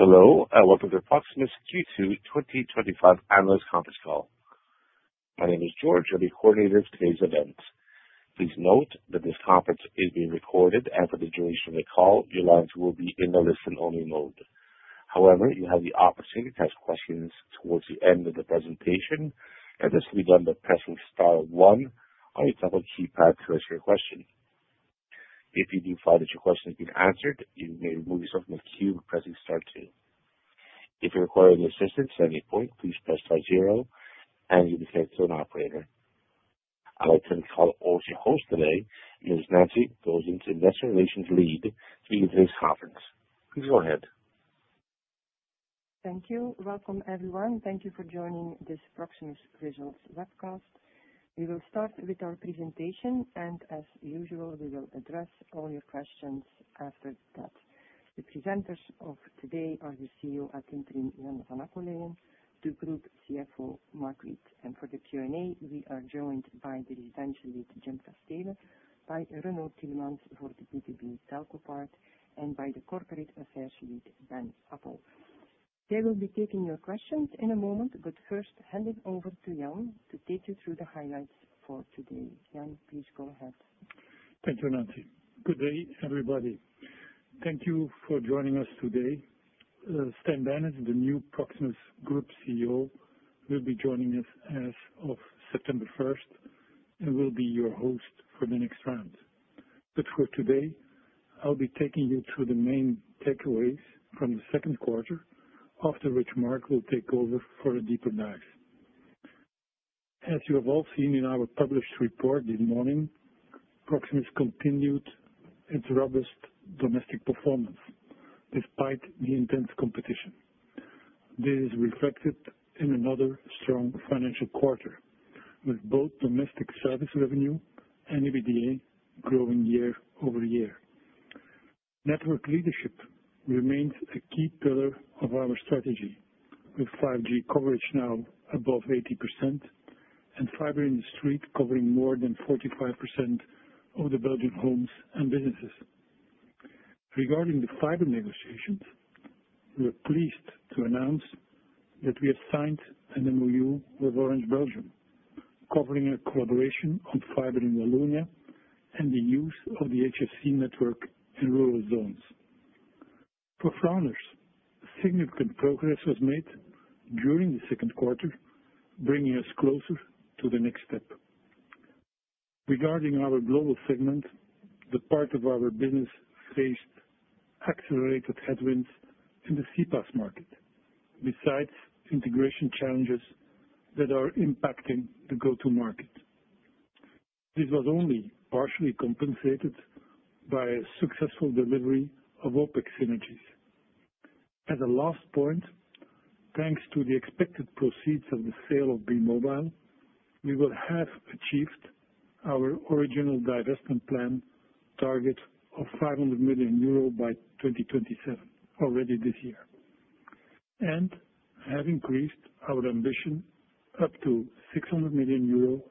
Hello, and welcome to the Proximus Q2 twenty twenty five Analyst Conference Call. My name is George, I'll be coordinator of today's event. Please note that this conference is being recorded. Of the call, your lines will be in a listen only mode. However, you have the opportunity to ask questions towards the end of the presentation. I'd like to turn the call over to your host today, Ms. Nancy Gozin, Investor Relations lead, to begin today's conference. Please go ahead. Thank you. Welcome, everyone. Thank you for joining this Proximus Results Webcast. We will start with our presentation and as usual, we will address all your questions after that. The presenters of today are the CEO, Atintrim, Ivan Van Akuleen to Group CFO, Marc Riek. And for the Q and A, we are joined by the Residential Lead, Jim Castela by Renaud Tilmans for the BTB Talcopart and by the Corporate Affairs Lead, Ben Apple. They will be taking your questions in a moment, but first hand it over to Jan to take you through the highlights for today. Jan, please go ahead. Thank you, Nancy. Good day, everybody. Thank you for joining us today. Stan Deniz, the new Proximus Group CEO, will be joining us as of September 1 and will be your host for the next round. But for today, I'll be taking you through the main takeaways from the second quarter, after which Marc will take over for a deeper dive. As you have all seen in our published report this morning, Proximus continued its robust domestic performance despite the intense competition. This is reflected in another strong financial quarter with both domestic service revenue and EBITDA growing year over year. Network leadership remains a key pillar of our strategy with five gs coverage now above 80% and fiber industry covering more than 45% of the Belgian homes and businesses. Regarding the fiber negotiations, we are pleased to announce that we have signed an MOU with Orange Belgium, covering a collaboration on fiber in Wallonia and the use of the HFC network in rural zones. For Frauners, significant progress was made during the second quarter, bringing us closer to the next step. Regarding our Global segment, the part of our business faced accelerated headwinds in the CPaaS market besides integration challenges that are impacting the go to market. This was only partially compensated by a successful delivery of OpEx synergies. As a last point, thanks to the expected proceeds of the sale of B Mobile, we will have achieved our original divestment plan target of €500,000,000 by 2027 already this year and have increased our ambition up to €600,000,000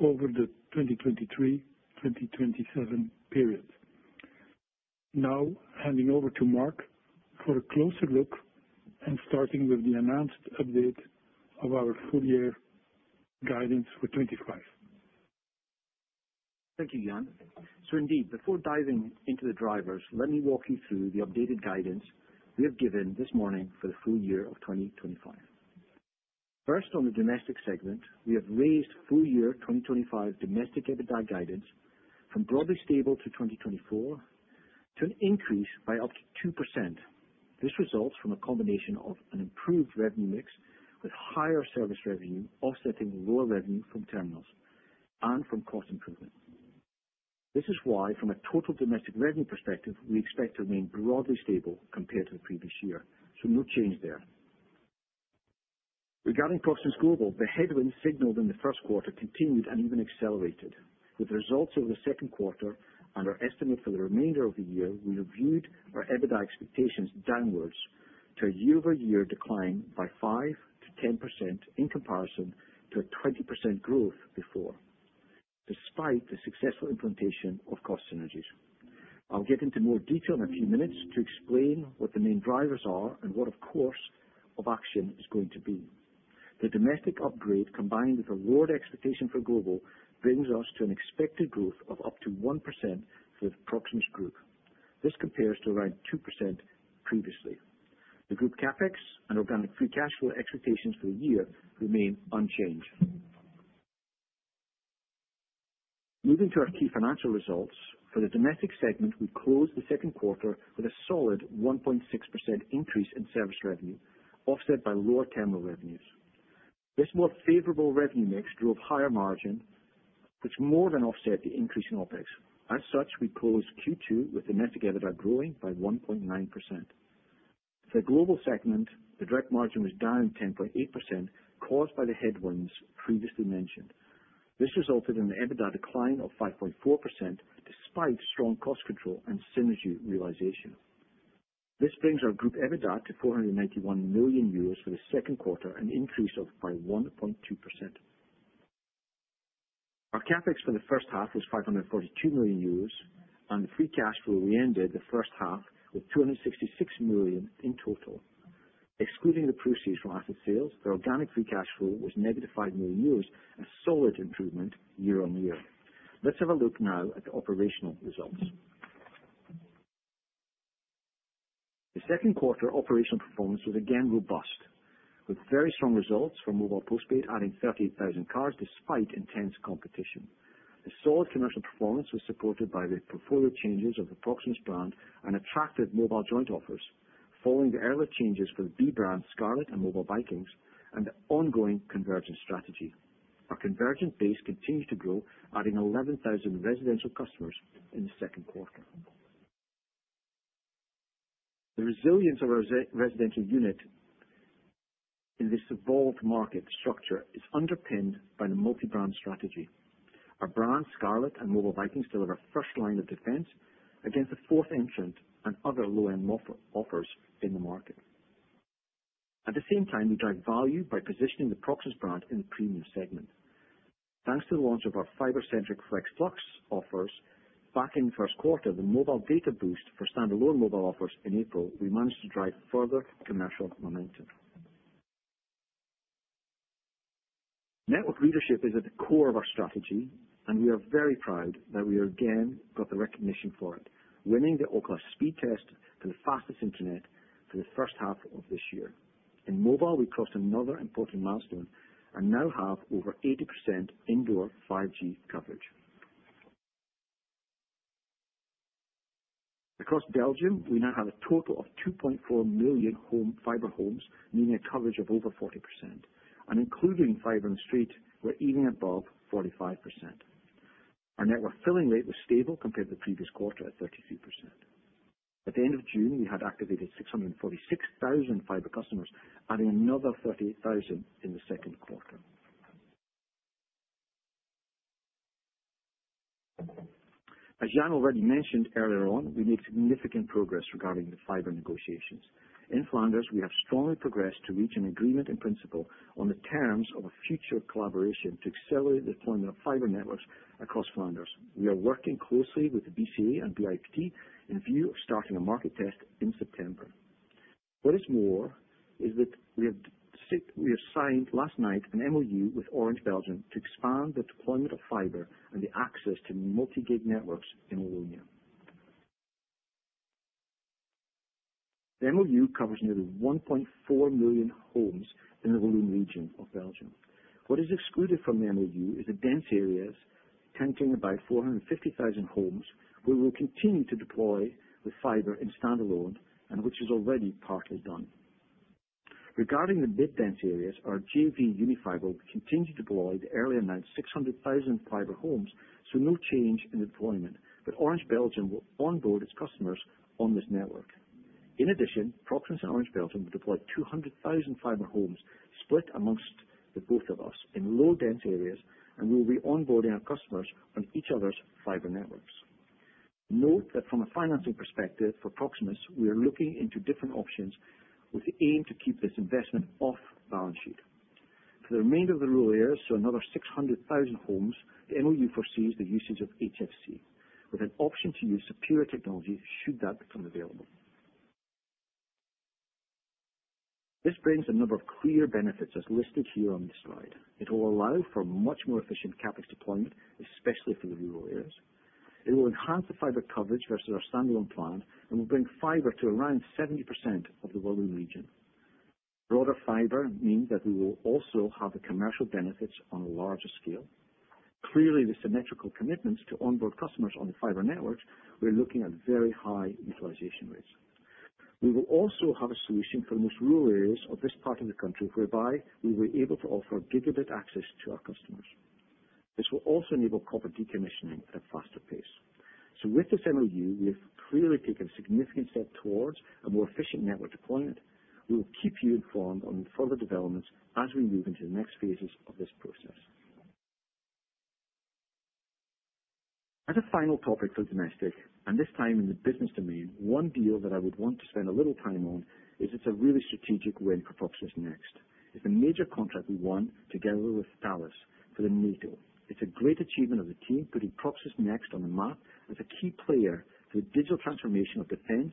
over the twenty twenty three-twenty twenty seven period. Now handing over to Marc for a closer look and starting with the announced update of our full year guidance for 2025. Thank you, Jan. Indeed, before diving into the drivers, let me walk you through the updated guidance we have given this morning for the full year of 2025. First, on the Domestic segment, we have raised full year 2025 domestic EBITDA guidance from broadly stable to 2024 to an increase by up to 2%. This results from a combination of an improved revenue mix with higher service revenue offsetting lower revenue from terminals and from cost improvement. This is why from a total domestic revenue perspective, we expect to remain broadly stable compared to the previous year, so no change there. Regarding Proximus Global, the headwind signaled in the first quarter continued and even accelerated, With results over the second quarter and our estimate for the remainder of the year, we reviewed our EBITDA expectations downwards to a year over year decline by five to 10% in comparison to a 20% growth before, despite the successful implementation of cost synergies. I'll get into more detail in a few minutes to explain what the main drivers are and what, of course, of action is going to be. The domestic upgrade combined with a lowered expectation for global brings us to an expected growth of up to 1% for the Proximus Group. This compares to around 2% previously. The group CapEx and organic free cash flow expectations for the year remain unchanged. Moving to our key financial results. For the domestic segment, we closed the second quarter with a solid 1.6% increase in service revenue, offset by lower terminal revenues. This more favorable revenue mix drove higher margin, which more than offset the increase in OpEx. As such, we closed Q2 with domestic EBITDA growing by 1.9%. For the global segment, the direct margin was down 10.8 caused by the headwinds previously mentioned. This resulted in an EBITDA decline of 5.4% despite strong cost control and synergy realization. This brings our Group EBITDA to €491,000,000 for the second quarter, an increase of by 1.2%. Our CapEx for the first half was €542,000,000 and the free cash flow we ended the first half with €266,000,000 in total. Excluding the proceeds from asset sales, the organic free cash flow was negative €5,000,000 a solid improvement year on year. Let's have a look now at the operational results. The second quarter operational performance was again robust with very strong results from mobile postpaid adding 38,000 cars despite intense competition. The solid commercial performance was supported by the portfolio changes of the Proximus brand and attractive mobile joint offers, following the early changes for the B brand Scarlet and Mobile Vikings and the ongoing convergence strategy. Our convergent base continues to grow, adding 11,000 residential customers in the second quarter. The resilience of our residential unit in this evolved market structure is underpinned by the multi brand strategy. Our brand Scarlet and Mobile Vikings deliver first line of defense against the fourth entrant and other low end offers in the market. At the same time, we drive value by positioning the Proxys brand in the premium segment. Thanks to the launch of our fiber centric FlexFlux offers back in the first quarter, the mobile data boost for standalone mobile offers in April, we managed to drive further commercial momentum. Network leadership is at the core of our strategy and we are very proud that we again got the recognition for it, winning the OKLA speed test to the fastest Internet for the first half of this year. In mobile, we crossed another important milestone and now have over 80% indoor five gs coverage. Across Belgium, we now have a total of 2,400,000 fiber homes, meaning a coverage of over 40%, and including fiber and street, we're even above 45%. Our network filling rate was stable compared to the previous quarter at 33%. At the June, we had activated 646,000 fiber customers, adding another 38,000 in the second quarter. As Jan already mentioned earlier on, we made significant progress regarding the fiber negotiations. In Flanders, we have strongly progressed to reach an agreement in principle on the terms of a future collaboration to accelerate deployment of fiber networks across Flanders. We are working closely with the BCA and BIPT in view of starting a market test in September. What is more is that we have we have signed last night an MOU with Orange Belgium to expand the deployment of fiber and the access to multi gig networks in Wallonia. The MOU covers nearly 1,400,000 homes in the Walloon region of Belgium. What is excluded from the MOU is the dense areas tanking about 450,000 homes, where we'll continue to deploy the fiber in standalone and which is already partly done. Regarding the mid dense areas, our JV UniFibre continued to deploy the earlier 900,000 fiber homes, so no change in deployment, but Orange Belgium will onboard its customers on this network. In addition, Proximus and Orange Belgium will deploy 200,000 fiber homes split amongst the both of us in low dense areas, and we will be onboarding our customers on each other's fiber networks. Note that from a financing perspective for Proximus, we are looking into different options with the aim to keep this investment off balance sheet. For the remainder of the rule years, so another 600,000 homes, the MOU foresees the usage of HFC with an option to use superior technology should that become available. This brings a number of clear benefits as listed here on this slide. It will allow for much more efficient CapEx deployment, especially for the rural areas. It will enhance the fiber coverage versus our standalone plant and will bring fiber to around 70% of the world in region. Broader fiber means that we will also have the commercial benefits on a larger scale. Clearly, symmetrical commitments to onboard customers on the fiber network, we're looking at very high utilization rates. We will also have a solution for the most rural areas of this part of the country whereby we were able to offer gigabit access to our customers. This will also enable copper decommissioning at a faster pace. So with this MOU, we have clearly taken significant step towards a more efficient network deployment. We will keep you informed on further developments as we move into the next phases of this process. As a final topic for domestic and this time in the business domain, one deal that I would want to spend a little time on is it's a really strategic win for Proxis Next. It's a major contract we won together with Thales for the NATO. It's a great achievement of the team putting Proximus next on the map as a key player for the digital transformation of defense,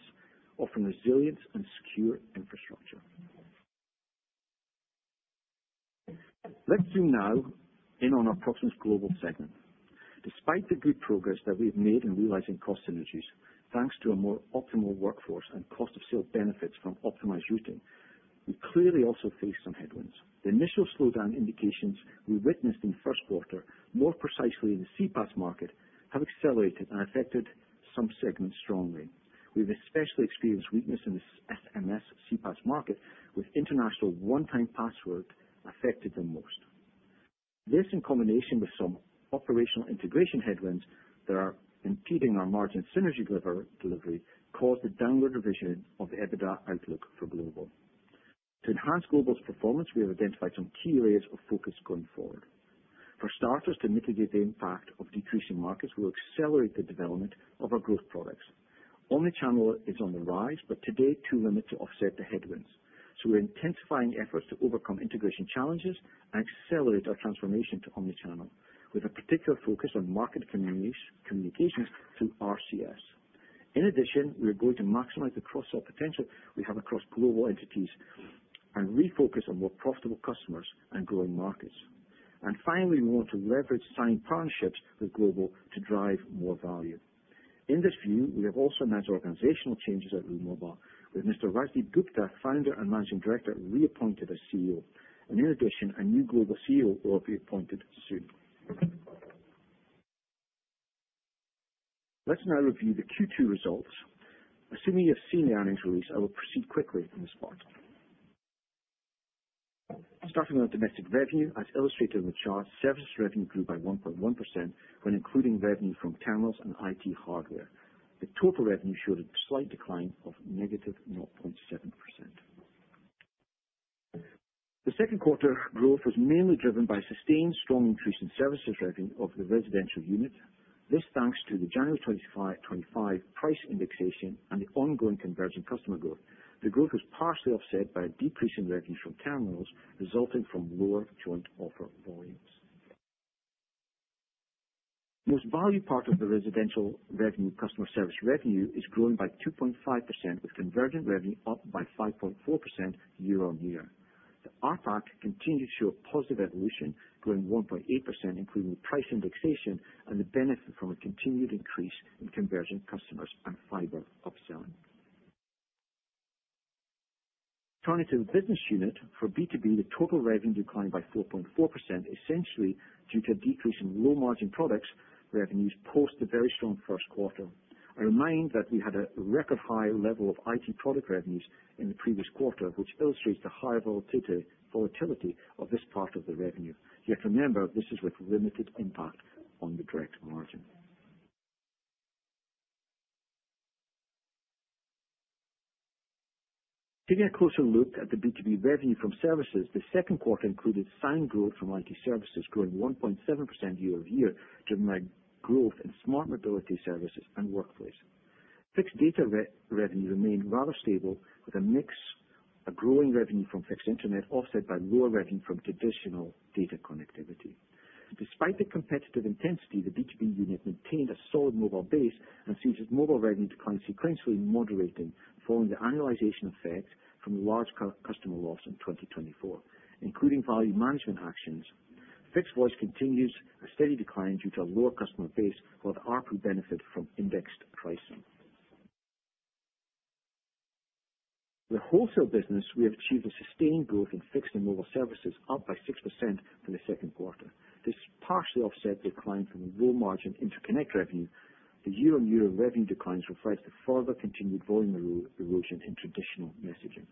offering resilience and secure infrastructure. Let's zoom now in on our Proximus Global segment. Despite the good progress that we've made in realizing cost synergies, thanks to a more optimal workforce and cost of sale benefits from optimized routing, we clearly also faced some headwinds. The initial slowdown indications we witnessed in first quarter, more precisely in the CPaaS market, have accelerated and affected some segments strongly. We've especially experienced weakness in SMS CPaaS market with international one time password affected the most. This in combination with some operational integration headwinds that are impeding our margin synergy delivery caused the downward revision of EBITDA outlook for Global. To enhance Global's performance, we have identified some key areas of focus going forward. For starters, to mitigate the impact of decreasing markets will accelerate the development of our growth products. Omnichannel is on the rise, but today too limited to offset the headwinds. So we're intensifying efforts to overcome integration challenges and accelerate our transformation to omnichannel, with a particular focus on market communications through RCS. In addition, we are going to maximize the cross sell potential we have across global entities and refocus on more profitable customers and growing markets. And finally, we want to leverage signed partnerships with Global to drive more value. In this view, we have also announced organizational changes at Lou Mobile with Mr. Rajdi Gupta, Founder and Managing Director reappointed as CEO. And in addition, a new Global CEO will be appointed soon. Let's now review the Q2 results. Assuming you have seen the earnings release, will proceed quickly from this part. Starting with domestic revenue, as illustrated on the chart, services revenue grew by 1.1% when including revenue from terminals and IT hardware. The total revenue showed a slight decline of negative 0.7%. The second quarter growth was mainly driven by sustained strong increase in services revenue of the residential unit. This thanks to the January 25 price indexation and the ongoing convergent customer growth. The growth was partially offset by a decrease in revenues from terminals resulting from lower joint offer volumes. Most valued part of the residential revenue customer service revenue is growing by 2.5% with convergent revenue up by 5.4% year on year. The RPAC continued to show positive evolution, growing 1.8% including price indexation and the benefit from a continued increase in conversion customers and fiber upselling. Turning to the business unit. For B2B, the total revenue declined by 4.4% essentially due to a decrease in low margin products revenues post the very strong first quarter. I remind that we had a record high level of IT product revenues in the previous quarter, which illustrates the high volatility of this part of the revenue. Yet remember, this is with limited impact on the direct margin. Taking a closer look at the B2B revenue from services, the second quarter included sound growth from IT services, growing 1.7% year over year driven by growth in smart mobility services and workplace. Fixed data revenue remained rather stable with a mix of growing revenue from fixed Internet offset by lower revenue from traditional data connectivity. Despite the competitive intensity, the D2B unit maintained a solid mobile base and sees its mobile revenue decline sequentially moderating following the annualization effect from large customer loss in 2024, including value management actions. Fixed voice continues a steady decline due to a lower customer base, while the ARPU benefit from indexed pricing. The wholesale business, have achieved a sustained growth in fixed and mobile services, up by 6% for the second quarter. This partially offset decline from low margin interconnect revenue. The year on year revenue declines reflect the further continued volume erosion in traditional messaging.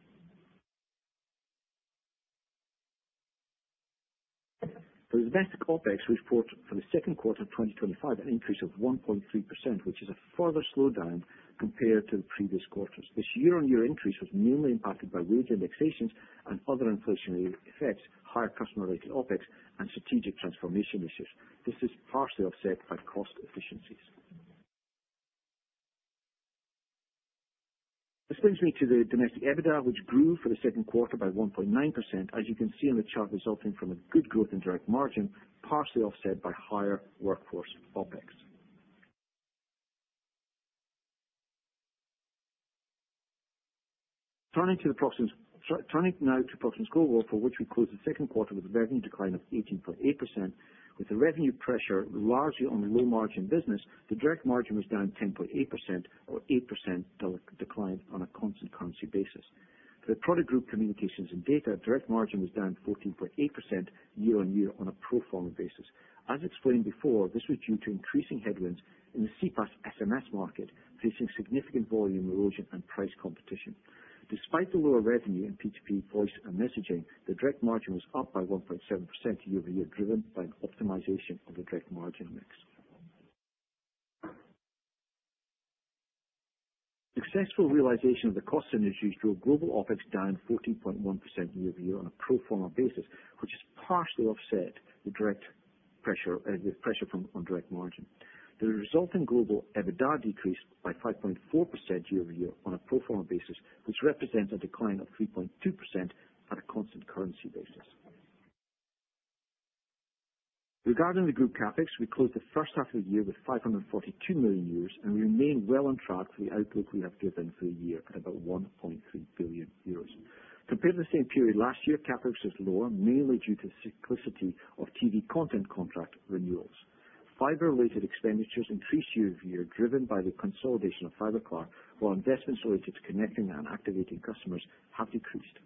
For domestic OpEx, we report for the 2025 an increase of 1.3%, which is a further slowdown compared to the previous quarters. This year on year increase was mainly impacted by wage indexations and other inflationary effects, higher customer related OpEx and strategic transformation initiatives. This is partially offset by cost efficiencies. This brings me to the domestic EBITDA, grew which for the second quarter by 1.9%, as you can see in the chart resulting from a good growth in direct margin, partially offset by higher workforce OpEx. Turning now to Proximus Global, for which we closed the second quarter with a revenue decline of 18.8%. With the revenue pressure largely on the low margin business, the direct margin was down 10.8% or 8% decline on a constant currency basis. For the Product Group Communications and Data, direct margin was down 14.8% year on year on a pro form a basis. As explained before, this was due to increasing headwinds in the CPaaS SMS market facing significant volume erosion and price competition. Despite the lower revenue in P2P voice and messaging, the direct margin was up by 1.7% year over year driven by an optimization of the direct margin mix. Successful realization of the cost synergies drove global OpEx down 14.1% year over year on a pro form a basis, which has partially offset the direct pressure with pressure from direct margin. The resulting global EBITDA decreased by 5.4% year over year on a pro form a basis, which represents a decline of 3.2% on a constant currency basis. Regarding the group CapEx, we closed the first half of the year with €542,000,000 and we remain well on track for the outlook we have given for the year at about €1,300,000,000 Compared to the same period last year, CapEx was lower mainly due to simplicity of TV content contract renewals. Fiber related expenditures increased year over year driven by the consolidation of FibreCar, while investments related to connecting and activating customers have decreased.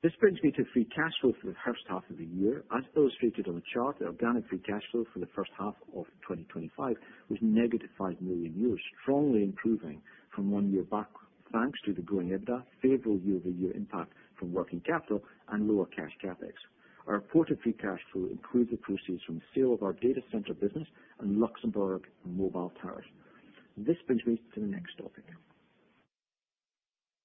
This brings me to free cash flow for the first half of the year. As illustrated on the chart, the organic free cash flow for the 2025 was negative €5,000,000 strongly improving from one year back, thanks to the growing EBITDA, favorable year over year impact from working capital and lower cash CapEx. Our reported free cash flow includes the proceeds from the sale of our data center business and Luxembourg mobile towers. This brings me to the next topic.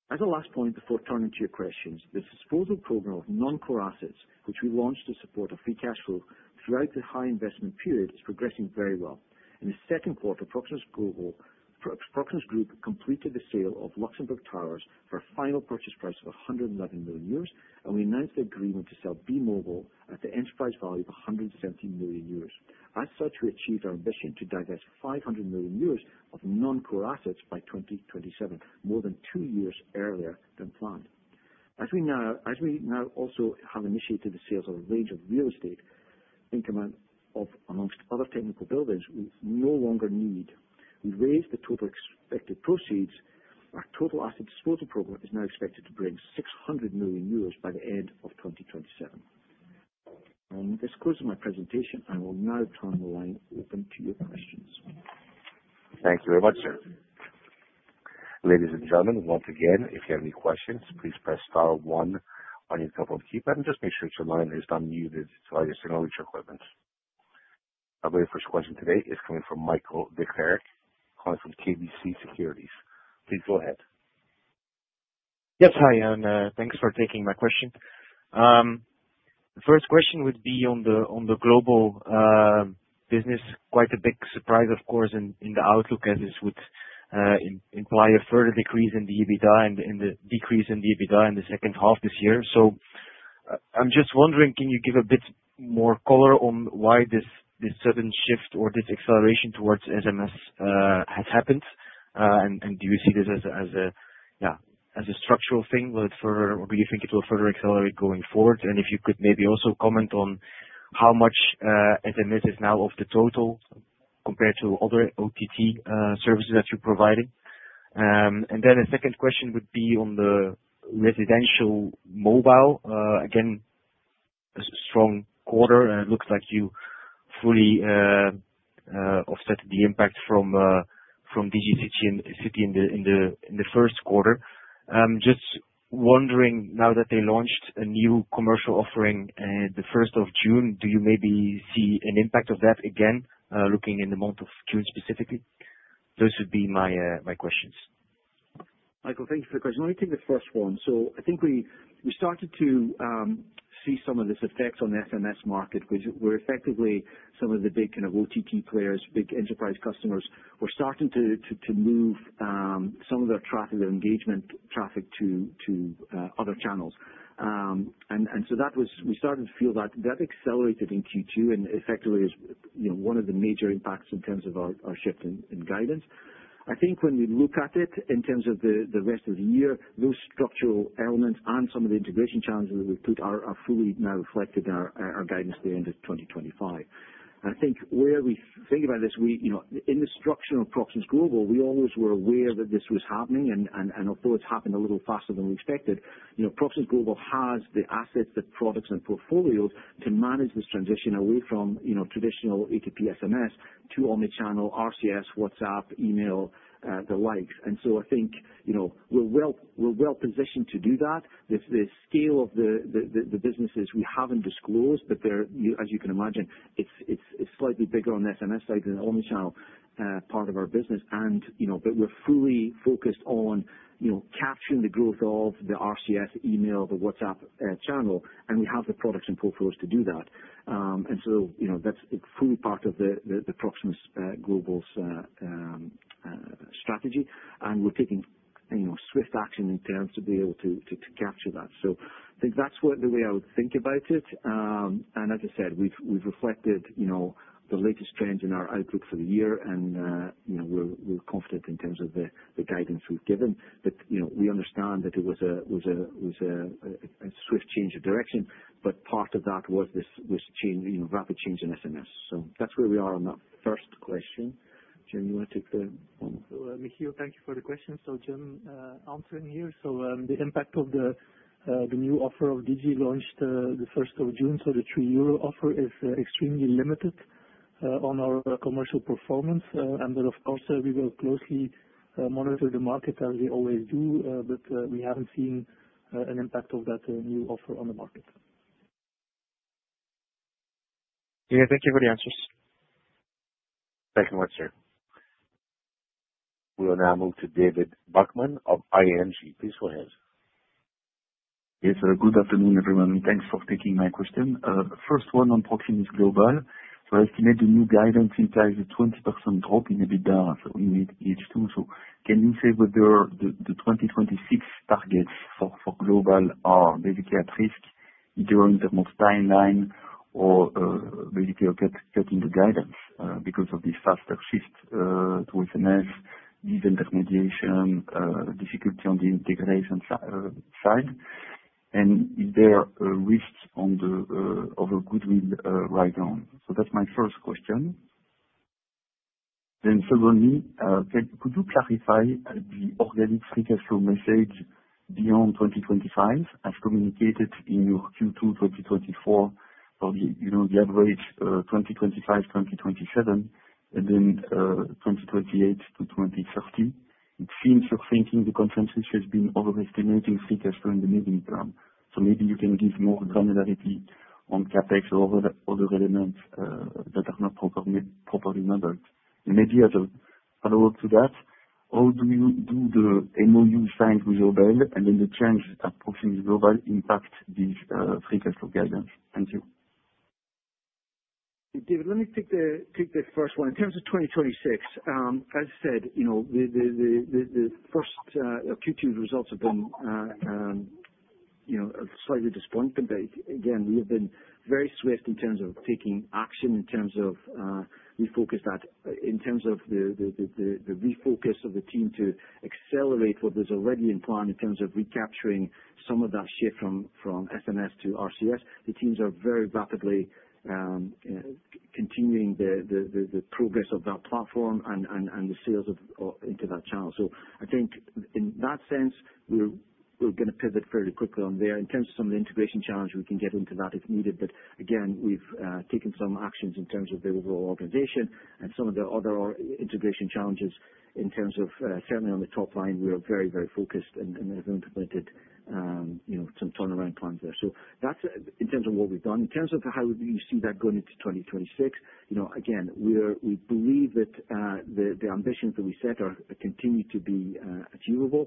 As a last point before turning to your questions, the disposal program of non core assets, which we launched to support our free cash flow throughout the high investment period, is progressing very well. In the second quarter, Proximus Group completed the sale of Luxembourg Towers for a final purchase price of 111,000,000 euros and we announced the agreement to sell B Mobile at the enterprise value of 170,000,000 euros. As such, we achieved our ambition to divest 500,000,000 euros of non core assets by 2027, more than two years earlier than planned. As we now also have initiated the sales of a range of real estate, income of amongst other technical buildings we no longer need, we raised the total expected proceeds. Our total asset disposal program is now expected to bring 600,000,000 euros by the end of twenty twenty seven. And this concludes my presentation. I will now turn the line open to your questions. Thank you very much, sir. Our very first question today is coming from Michael Dicleric calling from KBC Securities. Please go ahead. Yes. Hi. And thanks for taking my question. The first question would be on the on the global business. Quite a big surprise, of course, in in the outlook as this would imply a further decrease in the EBITDA and the decrease in the EBITDA in the second half this year. So I'm just wondering, can you give a bit more color on why this sudden shift or this acceleration towards SMS has happened? And do you see this as a structural thing? Will it further or do you think it will further accelerate going forward? And if you could maybe also comment on how much SMS is now of the total compared to other OTT services that you're providing? And then a second question would be on the residential mobile. Again, a strong quarter and it looks like you fully offset the impact from DGCity in the first quarter. Just wondering now that they launched a new commercial offering the June 1, do you maybe see an impact of that again looking in the month of June specifically? Those would be my questions. Michael, thanks for the question. Let me take the first one. So I think we started to see some of this effect on SMS market, which were effectively some of the big kind of OTT players, big enterprise customers, were starting to move some of their traffic, their engagement traffic to other channels. So that was we started to feel that that accelerated in Q2 and effectively is one of the major impacts in terms of our shift in guidance. I think when we look at it in terms of the rest of the year, those structural elements and some of the integration challenges that we put are fully now reflected in our guidance at the end of twenty twenty five. And I think where we think about this, in the structure of Proximus Global, we always were aware that this was happening and although it's happened a little faster than we expected, Proximus Global has the assets, the products and portfolios to manage this transition away from traditional ATPSMS to omni channel, RCS, WhatsApp, email, the likes. And so I think we're well positioned to do that. The scale of the businesses we haven't disclosed, they're as you can imagine, it's slightly bigger on the SMS side than the omnichannel part of our business. And but we're fully focused on capturing the growth of the RCS, e mail, the WhatsApp channel and we have the products and portfolios to do that. And so that's a fully part of the Proximus Global strategy and we're taking swift action in terms to be able to capture that. So think that's what the way I would think about it. And as I said, we've reflected the latest trends in our outlook for the year and we're confident in terms of the guidance we've given. But we understand that it was swift a change of direction, but part of that was this rapid change in SMS. So that's where we are on that first question. Jim, you want to take the one? So Michio, thank you for the question. So Jim answering here, so the impact of the new offer of DG launched the June 1, so the 3 euro offer is extremely limited on our commercial performance. And then, of course, we will closely monitor the market as we always do, but we haven't seen an impact of that new offer on the market. Yeah. Thank you for the answers. Thank you very much, sir. We will now move to David Bachman of ING. Please go ahead. Yes. Good afternoon, everyone, and thanks for taking my question. First one on Proximus Global. So I estimate the new guidance implies a 20% drop in EBITDA in H2. So can you say whether the the twenty twenty six targets for for global are basically at risk during the most time line or basically, you're getting the guidance because of the faster shift towards a mass, even that mediation, difficulty on the integration side? And is there risks on the of a goodwill write down? So that's my first question. Then secondly, could you clarify the organic free cash flow message beyond 2025 as communicated in your Q2 twenty twenty four or the average 2025, 2027 and then 2028 to 02/1930? It seems you're thinking the consensus has been over estimating figures during the medium term. So maybe you can give more granularity on CapEx over the over the elements that are not properly properly numbered. And maybe as a follow-up to that, how do you do the MOU signed with your bill and then the change approaching the global impact this free cash flow guidance? Thank you. David, let me take the take the first one. In terms of 2026, as I said, the first Q2 results have been slightly disappointing. Again, we have been very swift in terms of taking action, in terms of we focus that in terms of the refocus of the team to accelerate what is already in plan in terms of recapturing some of that shift from SMS to RCS. The teams are very rapidly continuing the progress of that platform and the sales into that channel. So I think in that sense, we're going to pivot fairly quickly on there. In terms of some of the integration challenge, we can get into that if needed. But again, we've taken some actions in terms of the overall organization and some of the other integration challenges in terms of certainly on the top line, we are very, very focused and have implemented some turnaround plans there. So that's in terms of what we've done. In terms of how we see that going into 2026, again, we believe that the ambitions that we set are continued to be achievable.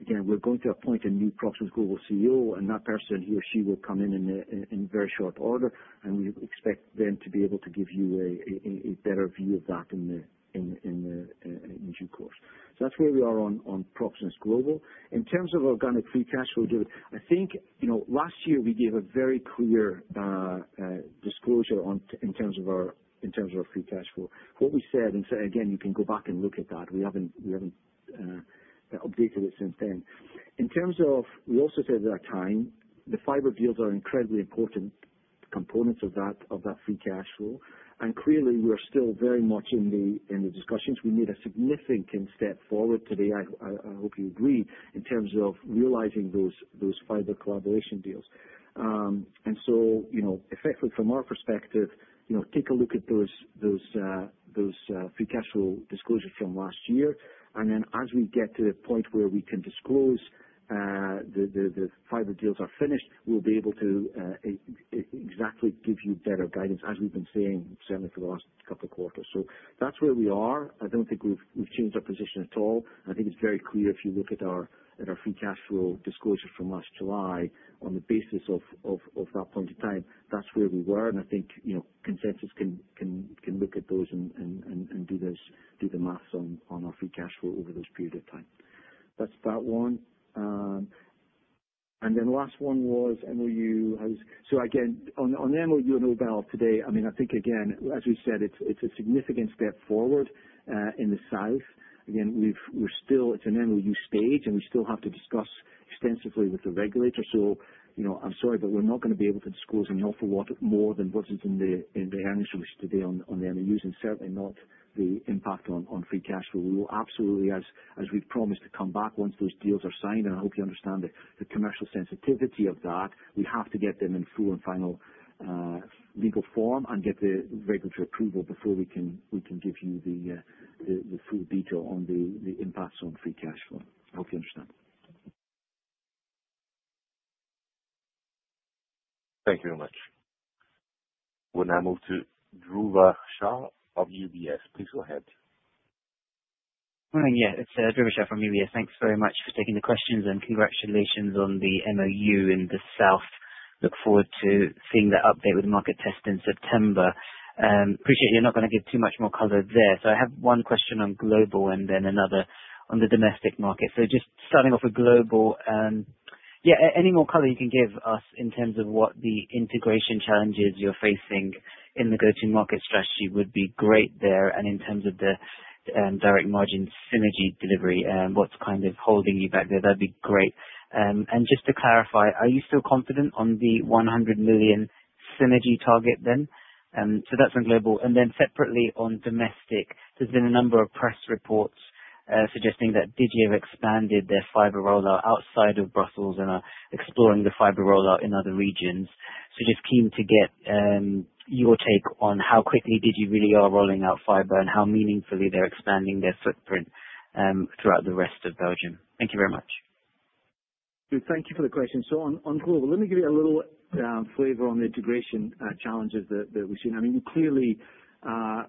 Again, we're going to appoint a new Proximus Global CEO, and that person, he or she will come in, in very short order and we expect them to be able to give you a better view of that in due course. So that's where we are on Proximus Global. In terms of organic free cash flow, David, I think last year, we gave a very clear disclosure in terms of our free cash flow. What we said and so again, you can go back and look at that. We haven't updated it since then. In terms of we also said that our time, the fiber deals are incredibly important components of that free cash flow. And clearly, are still very much in the discussions. We made a significant step forward today, I hope you agree, in terms of realizing those fiber collaboration deals. And so effectively from our perspective, take a look at those free cash flow disclosures from last year. And then as we get to the point where we can disclose the fiber deals are finished, we'll be able to exactly give you better guidance as we've been saying certainly for the last couple of quarters. So that's where we are. I don't think we've changed our position at all. I think it's very clear if you look free cash flow disclosure from last July on the basis of that point in time, that's where we were and I think consensus can look at those and do the math on our free cash flow over this period of time. That's that one. And then last one was MOU. Again, on MOU and Nobel today, I mean, think, as we said, it's a significant step forward in the South. Again, we're still it's an MOU stage and we still have to discuss extensively with the regulator. So I'm sorry, but we're not going to be able to disclose an awful lot more than what is in the earnings release today on the MOUs and certainly not the impact on free cash flow. We will absolutely, we promised, to come back once those deals are signed, I hope you understand the commercial sensitivity of that, we have to get them in full and final legal form and get the regulatory approval before we can give you the the full detail on the the impacts on free cash flow. Hope you understand. Thank you very much. We'll now move to Dhruva of UBS. Please go ahead. Good morning. Yes. It's Druva Shah from UBS. Thanks very much for taking the questions and congratulations on the MOU in The South. Look forward to seeing the update with market test in September. Appreciate you're not going to give too much more color there. So I have question on global and then another on the domestic market. So just starting off with global, yes, any more color you can give us in terms of what the integration challenges you're facing in the go to market strategy would be great there. And in terms of the direct margin synergy delivery, what's kind of holding you back there, that would be great. And just to clarify, are you still confident on the 100 million synergy target then? So that's on Global. And then separately, on domestic, there's been a number of press reports suggesting that Digi have expanded their fiber rollout outside of Brussels and are exploring the fiber rollout in other regions. So just keen to get your take on how quickly did you really are rolling out fiber and how meaningfully they're expanding their footprint throughout the rest of Belgium? Thank you very much. Good. Thank you for the question. So on global, let me give you a little flavor on the integration challenges that we've seen. Mean, clearly,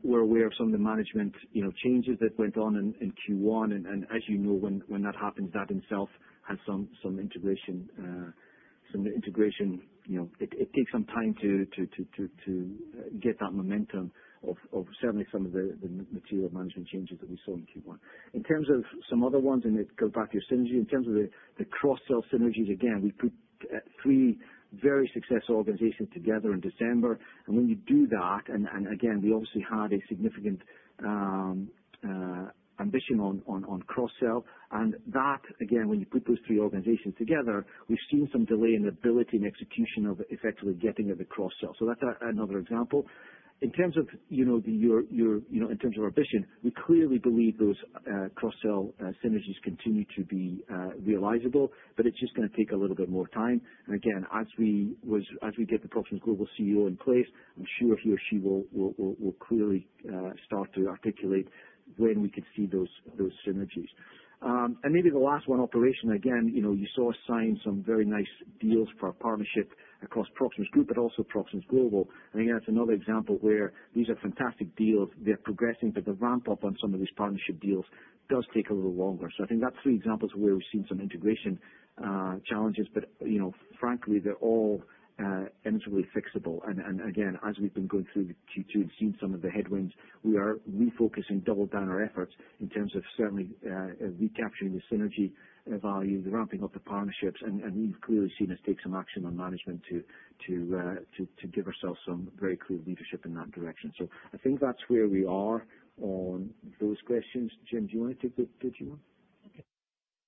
we're aware of some of the management changes that went on in Q1. As you know, when that happens, that itself has some integration it takes some time to get that momentum of certainly some of the material management changes that we saw in Q1. In terms of some other ones and it goes back to your synergy, in terms of the cross sell synergies, again, we put three very successful organizations together in December And when you do that and again, we obviously had a significant ambition on cross sell. And that, again, when you put those three organizations together, we've seen some delay in the ability and execution of effectively getting at the cross sell. So that's another example. In terms of our vision, we clearly believe those cross sell synergies continue to be realizable, but it's just going to take a little bit more time. And again, as we get the Proxima global CEO in place, I'm sure he or she will clearly start to articulate when we could see those synergies. And maybe the last one, operation. Again, you saw us sign some very nice deals for our partnership across Proximus Group, but also Proximus Global. I think that's another example where these are fantastic deals, they are progressing, but the ramp up on some of these partnership deals does take a little longer. So I think that's three examples where we've seen some integration challenges, but frankly, they're all endlessly fixable. And again, as we've been going through Q2 and seeing some of the headwinds, we are refocusing double down our efforts in terms of certainly recapturing the synergy value, the ramping of the partnerships and we've clearly seen us take some action on management to give ourselves some very clear leadership in that direction. So I think that's where we are on those questions. Jim, do you want to take the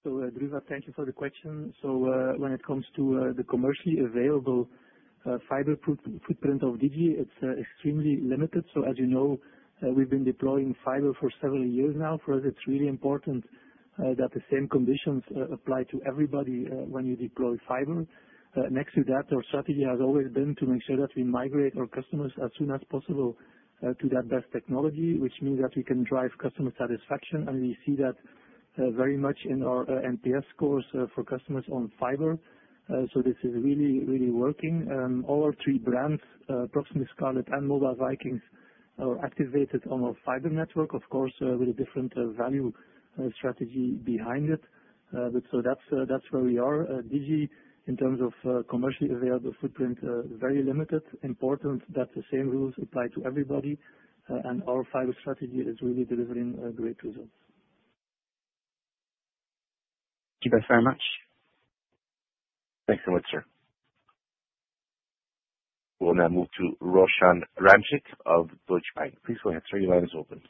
G1? Druva, thank you for the question. So when it comes to the commercially available fiber footprint of DG, it's extremely limited. So as you know, we've been deploying fiber for several years now. For us, it's really important that the same conditions apply to everybody when you deploy fiber. Next to that, our strategy has always been to make sure that we migrate our customers as soon as possible to that best technology, which means that we can drive customer satisfaction and we see that very much in our NPS scores for customers on fiber. So this is really, really working. All our three brands, Proximus Scarlet and Mobile Vikings are activated on our fiber network, of course, with a different value strategy behind it. So that's where we are. DG in terms of commercially available footprint, very limited, important that the same rules apply to everybody and our fiber strategy is really delivering great results. Thank very much. Thanks so much, sir. We'll now move to Roshan Ramchik of Deutsche Bank. Please go ahead, sir. Your line is open.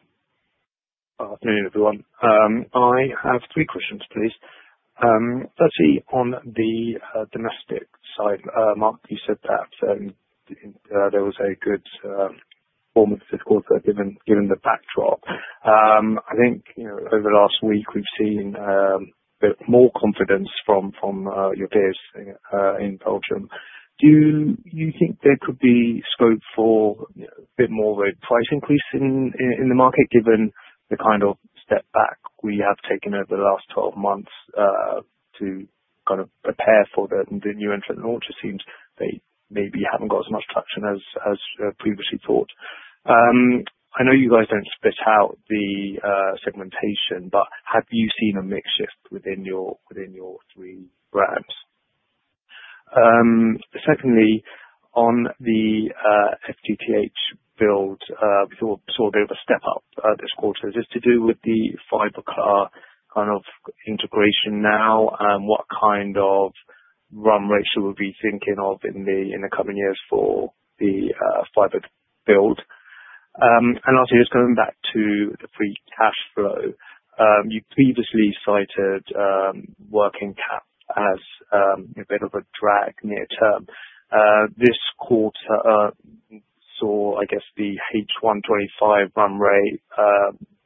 Afternoon, everyone. I have three questions, please. Firstly, on the domestic side, Mark, you said that there was a good form of fiscal quarter given the backdrop. I think over the last week, we've seen a bit more confidence from your peers in Belgium. Do you think there could be scope for a bit more of a price increase in the market given the kind of step back we have taken over the last twelve months to kind of prepare for the new entrant launch. It seems they maybe haven't got as much traction as previously thought. I know you guys don't split out the segmentation, but have you seen a mix shift within your three brands? Secondly, on the FTTH build, we saw a bit of a step up this quarter. Is this to do with the fiber car kind of integration now? What kind of run rate should we be thinking of in the coming years for the fiber build? And also, just going back to the free cash flow, you previously cited working cap as a bit of a drag near term. This quarter saw, I guess, the H1 twenty five run rate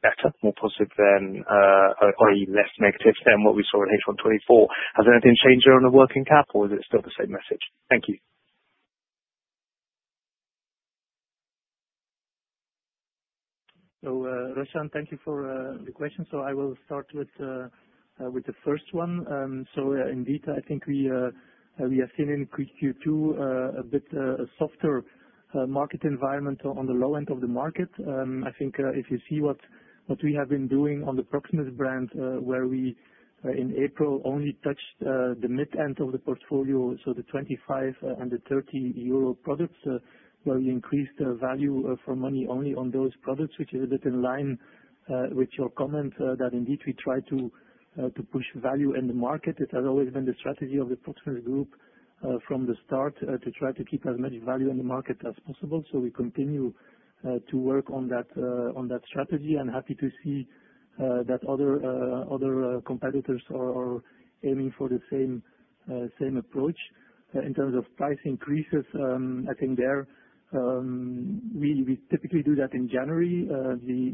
better, more positive than or less negative than what we saw in H1 twenty four. Has there anything changed here on the working capital? Or is it still the same message? Rashaan, thank you for the question. So I will start with the first one. So indeed, I think we have seen in Q2 a bit softer market environment on the low end of the market. I think if you see what we have been doing on the Proximus brand where we, in April, only touched the mid end of the portfolio, so the €25 and the €30 products where we increased value for money only on those products, which is a bit in line with your comment that indeed we try to push value in the market. It has always been the strategy of the Proximel Group from the start to try to keep as much value in the market So we continue to work on that strategy. I'm happy to see that other competitors are aiming for the same approach. In terms of price increases, I think there we typically do that in January.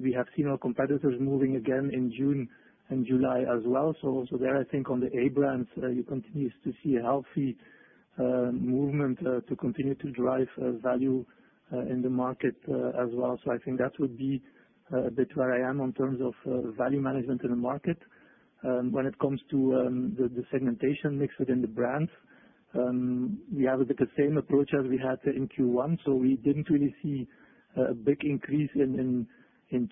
We have seen our competitors moving again in June and July as well. So there, think on the A brands, you continue to see a healthy movement to continue to drive value in the market as well. So I think that would be a bit where I am in terms of value management in the market. When it comes to the segmentation mix within the brands, we have the same approach as we had in Q1. So we didn't really see a big increase in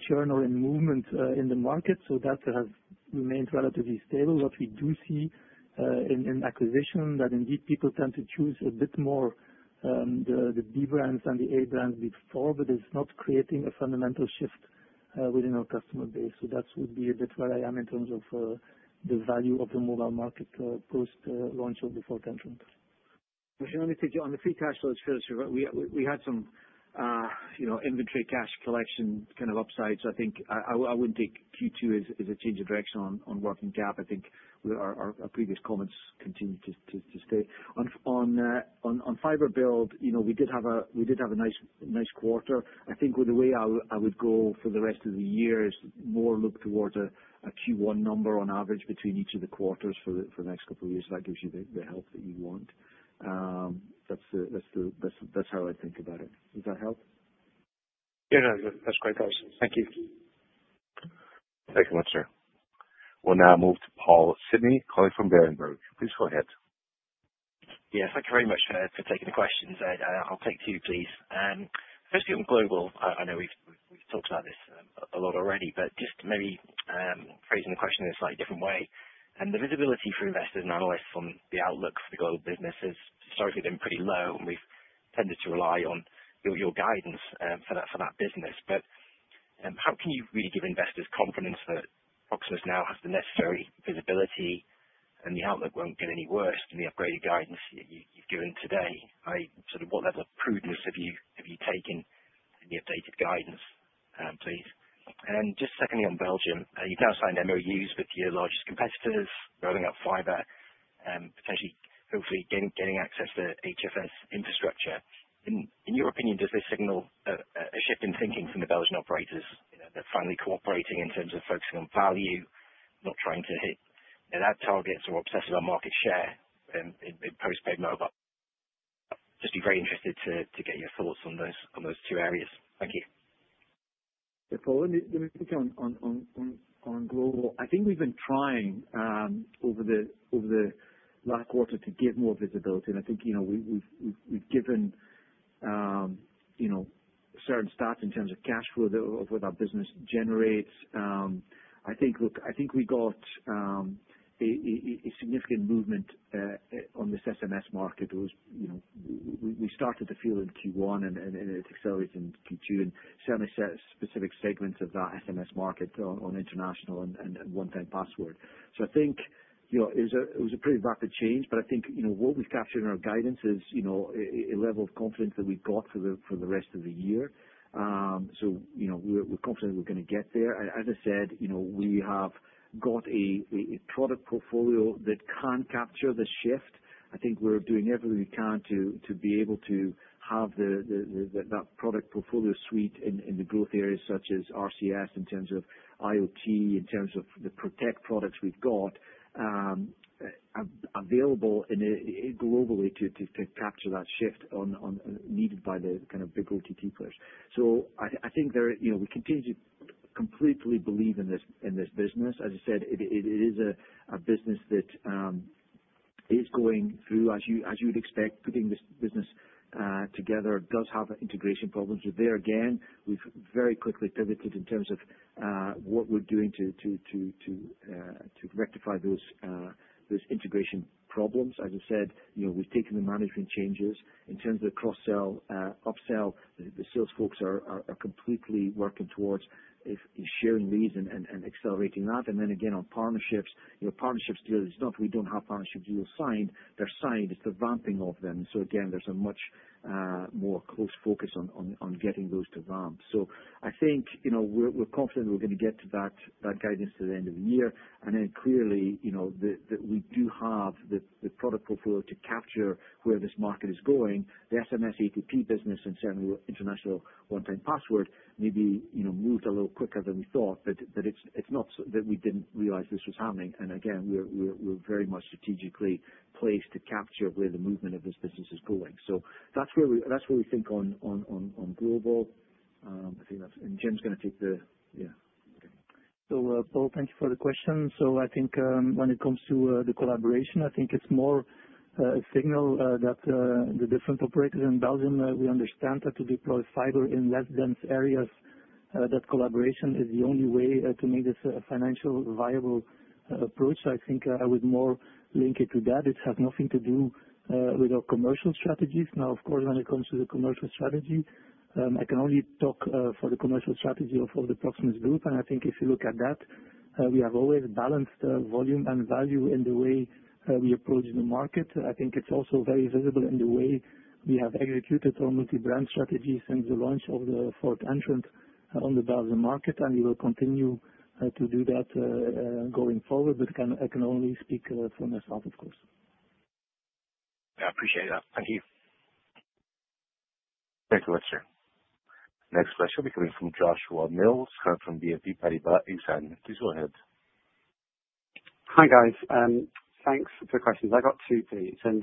churn or in movement in the market, so that has remained relatively stable. What we do see in acquisition that indeed people tend to choose a bit more the B brands and the A brands before, but it's not creating a fundamental shift within our customer base. So that would be a bit where I am in terms of the value of the mobile market post launch of the Fortentrant. Let me take you on the free cash flow, it's fairly sure. We had some inventory cash collection kind of upside, so I think I wouldn't take Q2 as a change of direction on working cap. Think our previous comments continue to stay. On fiber build, we did have a nice quarter. I think the way I would go for the rest of the year is more look towards a Q1 number on average between each of the quarters for the for the next couple of years. That gives you the the help that you want. That's the that's the that's that's how I think about it. Does that help? Yeah. No. That's great, guys. Thank you. Thank you much, sir. We'll now move to Paul Sidney calling from Berenberg. Please go ahead. Yeah. Thank you very much for taking the questions. I'll take two, please. Firstly, on Global, I know we've talked about this a lot already, but just maybe phrasing the question in a slightly different way. And the visibility for investors and analysts on the outlook for the Global business has started to have been pretty low, and we've tended to rely on your guidance for that business. But how can you really give investors confidence that Proximus now has the necessary visibility and the outlook won't get any worse than the upgraded guidance you've given today? Sort of what level of prudence have you taken in the updated guidance, please? And then just secondly on Belgium, you've now signed MOUs with your largest competitors, rolling up fiber and potentially hopefully getting access to HFS infrastructure. In your opinion, does this signal a shift in thinking from the Belgian operators? That finally cooperating in terms of focusing on value, not trying to hit that targets or obsess about market share postpaid mobile? Just be very interested to get your thoughts on those two areas. You. Paul, let me speak on Global. I think we've been trying over the last quarter to give more visibility and I think we've given certain stats in terms of cash flow of what our business generates. Think we got a significant movement on this SMS market. Started to feel it in Q1 and it accelerates in Q2 and certainly set specific segments of that SMS market on international and one time password. So I think it was a pretty rapid change, but I think what we've captured in our guidance is a level of confidence that we've got for the rest of the year. So we're confident we're going to get there. As I said, we have got a product portfolio that can capture the shift. I think we're doing everything we can to be able to have that product portfolio suite in the growth areas such as RCS in terms of IoT, in terms of the protect products we've got available globally to capture that shift needed by the kind of big OTT players. So I think there we continue to completely believe in this business. As I said, it is a business that is going through as you would expect putting this business together does have integration problems. There again, we've very quickly pivoted in terms of what we're doing to rectify those integration problems. As I said, we've taken the management changes In terms of cross sell, upsell, the sales folks are completely working towards sharing these and accelerating that. And then again on partnerships, partnerships deal is not we don't have partnership deals signed, they're signed, it's the ramping of them. So again, there's a much more close focus on getting those to ramp. So I think we're confident we're going to get to that guidance to the end of the year. And then clearly, we do have the product portfolio to capture where this market is going, the SMS, APP business and certainly international one time password maybe moved a little quicker than we thought, but it's not that we didn't realize this was happening. And again, we're very much strategically placed to capture where the movement of this business is going. So that's where we think on global. Think that's and Jim is going take the yes. So Paul, thank you for the question. So I think when it comes to the collaboration, I think it's more a signal that the different operators in Belgium, we understand that to deploy fiber in less dense areas, that collaboration is the only way to make this a financial viable approach. So I think I would more link it to that. It has nothing to do with our commercial strategies. Now of course, when it comes to the commercial strategy, I can only talk for the commercial strategy of the Proximus Group. And I think if you look at that, we have always balanced volume and value in the way we approach the market. I think it's also very visible in the way we have executed our multi brand strategy since the launch of the fourth entrant on the Basel market and we will continue to do that going forward. But I can only speak from myself, of course. I appreciate that. Thank you. Thanks a lot, sir. Next question will be coming from Joshua Mills coming from BNP Paribas Inc. Please go ahead. Hi, guys. Thanks for the questions. I got two, please. And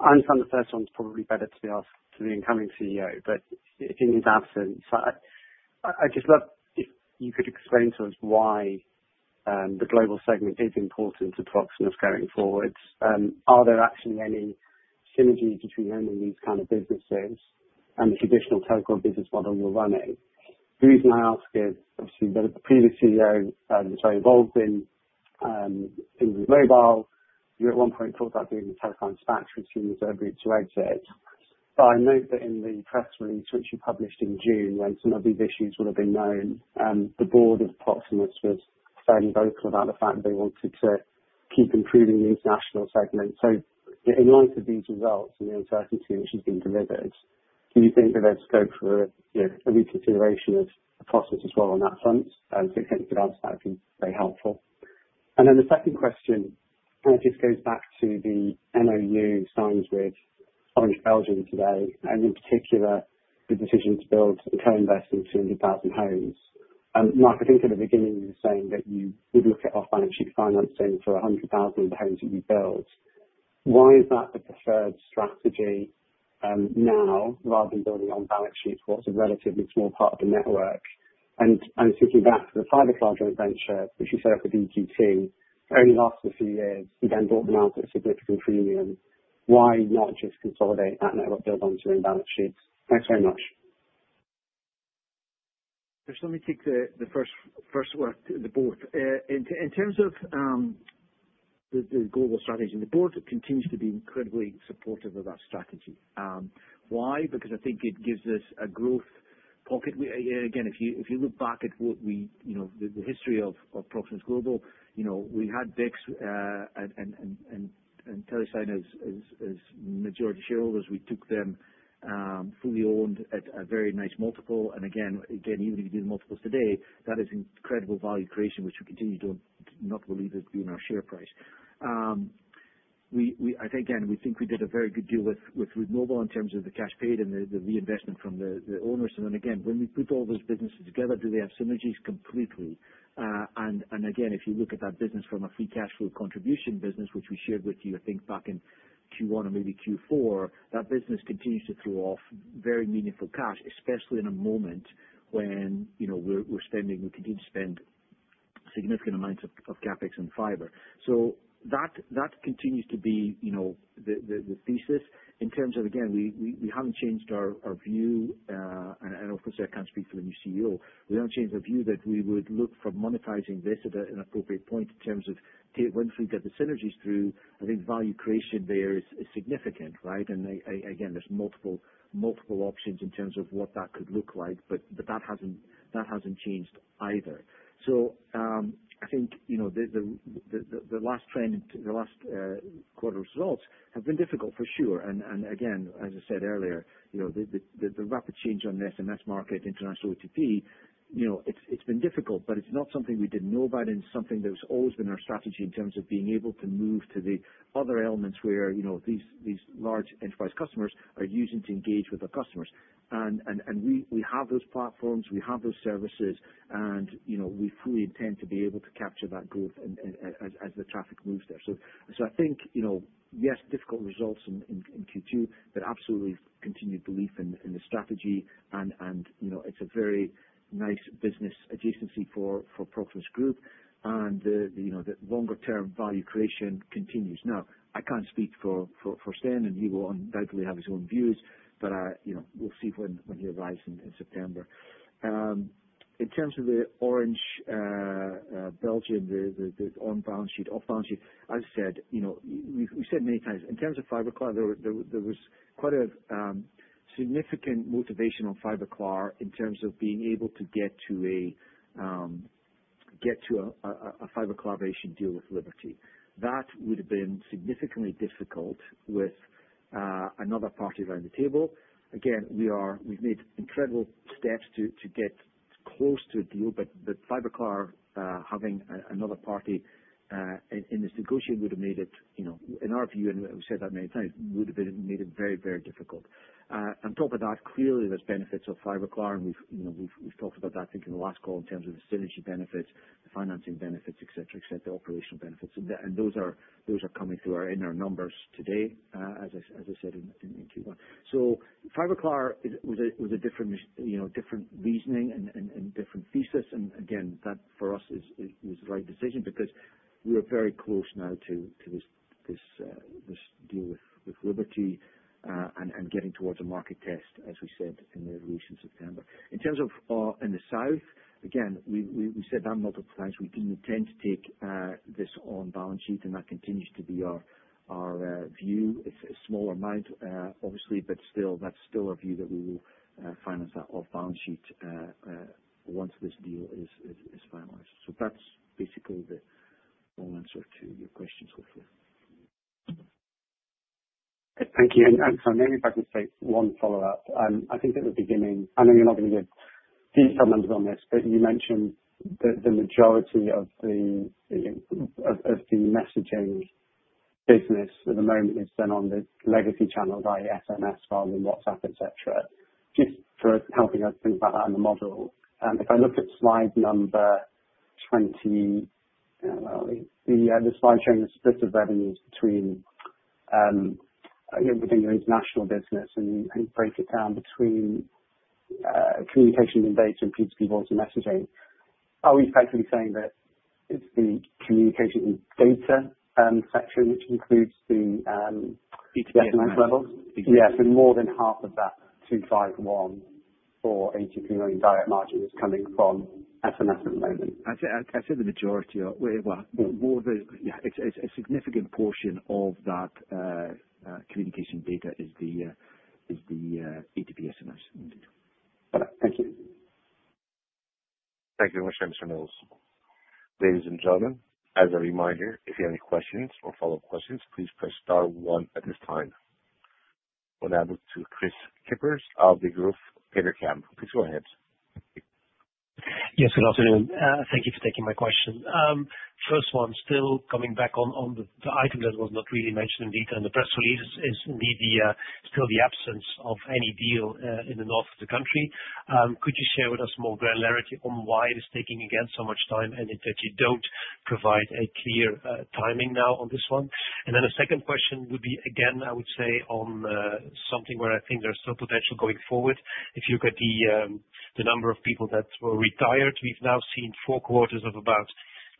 I understand the first one is probably better to be asked to the incoming CEO, but in his absence, I just love if you could explain to us why the global segment is important to Proximus going forward. Are there actually any synergy between them and these kind of businesses and the traditional telecom business model you're running? The reason I ask is, obviously, the previous CEO, I'm sorry, involved in in mobile, you're one point talking about being the telecoms factory team is agreed to exit. But I note that in the press release, which you published in June, when some of these issues would have been known, the board of Proximus was fairly vocal about the fact they wanted keep improving the international segment. So in light of these results and the uncertainty which has been delivered, do you think that there's scope for a reconsideration of the process as well on that front? If you think about that, it would very helpful. And then the second question, and this goes back to the MOU signed with Orange Belgium today, and in particular, the decision to build and co invest in 200,000 homes. And Mark, I think in the beginning, were saying that you would look at our balance sheet financing for 100,000 homes that you build. Why is that the preferred strategy now rather than building on balance sheets towards a relatively small part of the network? And I'm thinking back to the CyberClark joint venture, which you set up with EQT, only last a few years, you then bought them out at significant premium. Why not just consolidate that network build on to your balance sheets? Thanks very much. Just let me take the the first first one to the board. In in terms of the the global strategy, the board continues to be incredibly supportive of that strategy. Why? Because I think it gives us a growth pocket. If you look back at what we the history of Proximus Global, we had VIX and Telesign as majority shareholders. We took them fully owned at a very nice multiple. And again, even if you do multiples today, that is incredible value creation, which we continue to not believe it's been our share price. I think, again, we think we did a very good deal with Rubnobile in terms of the cash paid and the reinvestment from the owners. And then again, when we put all those businesses together, do they have synergies completely? And again, if you look at that business from a free cash flow contribution business, which we shared with you, I think, back in Q1 or maybe Q4, that business continues to throw off very meaningful cash, especially in a moment when we're spending we continue to spend significant amounts of CapEx in fiber. So that continues to be the thesis. In terms of, again, we haven't changed our view, and of course, I can't speak for the new CEO. We haven't changed our view that we would look for monetizing this at an appropriate point in terms of once we get the synergies through, I think value creation there is significant, right? And again, there's multiple options in terms of what that could look like, but that hasn't changed either. So I think the last trend the last quarter results have been difficult for sure. And again, as I said earlier, the rapid change on the SMS market, international OTP, it's been difficult, but it's not something we didn't know about and something that was always been our strategy in terms of being able to move to the other elements where these large enterprise customers are using to engage with our customers. We have those platforms, we have those services and we fully intend to be able to capture that growth as the traffic moves there. So I think, yes, difficult results in Q2, but absolutely continued belief in the strategy and it's a very nice business adjacency for Proximus Group and the longer term value creation continues. Now I can't speak for Stan and he will undoubtedly have his own views, but we'll see when he arrives in September. In terms of the Orange Belgium, the on balance sheet, off balance sheet, I've said we've said many times, in terms of FibroClar, there was quite a significant motivation on FibroClar in terms of being able to get to a Fibrocarvation deal with Liberty. That would have been significantly difficult with another party around the table. Again, we are we've made incredible steps to get close to a deal, the FibreCar having another party in this negotiation would have made it in our view, and we've said that many times, would have made it very, very difficult. On top of that, clearly, there's benefits of FibreCar, we've talked about that, I think, in the last call in terms of the synergy benefits, the financing benefits, etcetera, etcetera, operational benefits. And those are coming through our in our numbers today, as I said in Q1. So FibroClar was a different reasoning and different thesis. And again, that for us is the right decision because we are very close now to this deal with Liberty and getting towards a market test, as we said in the release in September. In terms of in the South, again, we said that multiple times, we do intend to take this on balance sheet and that continues to be our view. It's a smaller amount, obviously, but still that's still our view that we will finance that off balance sheet once this deal is is is finalized. So that's basically the full answer to your questions, hopefully. Thank you. And and so maybe if I could take one follow-up. I think at the beginning, I know you're not gonna get these comments on this, but you mentioned that the majority of the of of the messaging business at the moment is then on the legacy channels I s m s, following WhatsApp, etcetera. Just for helping us think about that in the model. If I look at slide number 20 yeah. Slide showing the split of revenues between, you know, within your international business and you can break it down between communication and data and people's messaging, are we effectively saying that it's the communication and data section which includes the B2B. Level? Yes. And more than half of that two five one or ATP million direct margin is coming from SMS at the moment. I said I said the majority of it. Well, more of it. Yeah. It's a significant portion of that communication data is the is the ATP SMS. Alright. Thank you. Thank you very much, sir, mister Knowles. Ladies and gentlemen, as a reminder, if you have any questions or follow-up questions, please press 1 at this time. We'll now move to Chris Kippers of The Group, Petercam. Please go ahead. Yes. Good afternoon. Thank you for taking my question. First one, coming back on the item that was not really mentioned in detail in the press release is indeed still the absence of any deal in the north of the country. Could you share with us more granularity on why it is taking again so much time and in fact you don't provide a clear timing now on this one? And then the second question would be, again, I would say, on something where I think there's still potential going forward. If you look at the number of people that were retired, we've now seen four quarters of about,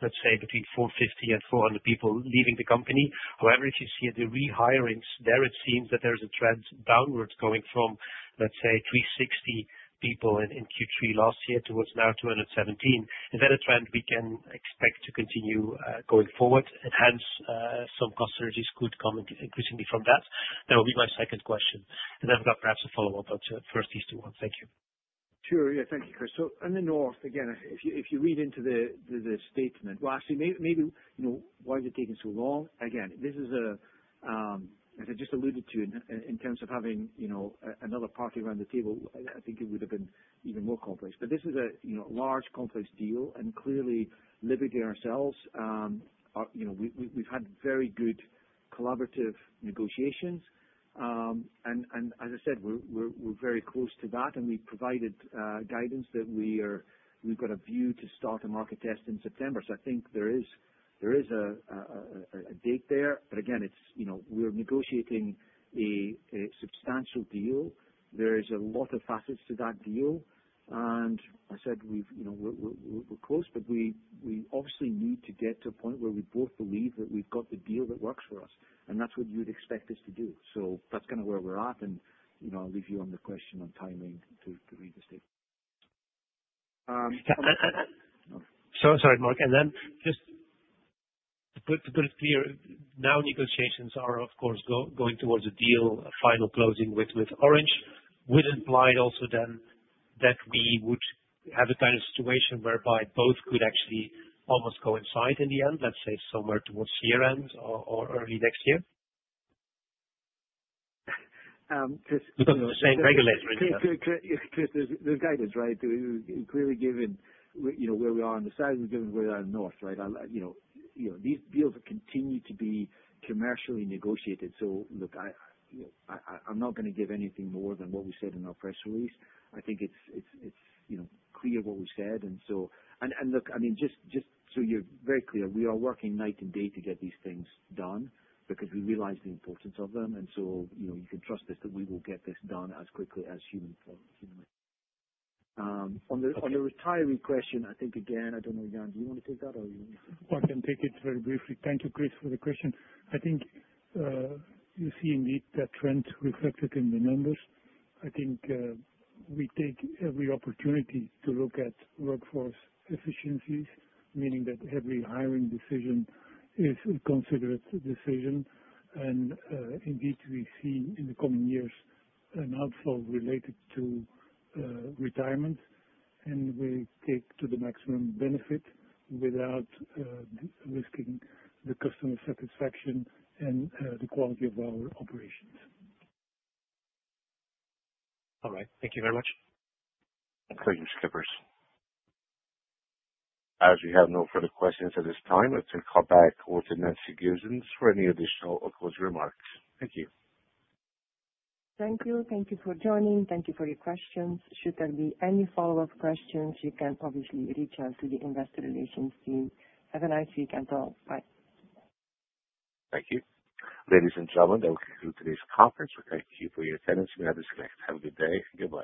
let's say, between four fifty and four hundred people leaving the company. However, if you see the rehirings, there it seems that there's a trend downwards going from, let's say, three sixty people in Q3 last year towards now two seventeen. Is that a trend we can expect to continue going forward? And hence, some cost synergies could come increasingly from that. That will be my second question. And then I've got perhaps a follow-up on the first Easter ones. Thank you. Sure. Yes. Thank you, Chris. So on the North, again, if you read into the statement, well, actually, you know, why is it taking so long? Again, this is a as I just alluded to in terms of having, you know, another party around the table, I think it would have been even more complex. But this is a, you know, large complex deal and clearly, liberty ourselves. You know, we've had very good collaborative negotiations. And as I said, we're very close to that, and we provided guidance that we are we've got a view to start a market test in September. So I think there is a date there. But again, it's we're negotiating a substantial deal. There is a lot of facets to that deal. And I said we're close, but we obviously need to get to a point where we both believe that we've got the deal that works for us and that's what you'd expect us to do. So that's kind of where we're at and, you know, I'll leave you on the question on timing to to read the statement. So sorry, Mark. And then just to put to put it clear, now negotiations are, of course, go going towards a deal, a final closing with with Orange. We'd implied also then that we would have a kind of situation whereby both could actually almost coincide in the end, let's say, towards year end early next year? The same regulator in the end. Chris, there's there's guidance. Right? Clearly, given, you know, where we are on the side, we're doing where we are north. Right? I'll you know you know, these deals continue to be commercially negotiated. So look. I, you know, I I I'm not gonna give anything more than what we said in our press release. I think it's it's it's, you know, clear what we said. And so and and look, I mean, just just so you're very clear, we are working night and day to get these things done because we realize the importance of them. And so, you know, you can trust us that we will get this done as quickly as human form human form. On your retiree question, I think, again, don't know, Jan, do you want to take that or you want to take I can take it very briefly. Thank you, Chris, for the question. I think you see indeed that trend reflected in the numbers. I think we take every opportunity to look at workforce efficiencies, meaning that every hiring decision is a considered decision. And indeed, we see in the coming years an outflow related to retirement and we take to the maximum benefit without risking the customer satisfaction and the quality of our operations. All right. Thank you very much. Thank you, Kippers. As we have no further questions at this time, I'll turn the call back over to Nancy Giesens for any additional or closing remarks. Thank you. Thank you. Thank you for joining. Thank you for your questions. Should there be any follow-up questions, you can obviously reach out to the Investor Relations team. Have a nice weekend. Bye. Thank you. Ladies and gentlemen, that will conclude today's conference. We thank you for your attendance. You may now disconnect. Have a good day. Goodbye.